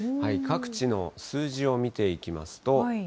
各地の数字を見ていきますと。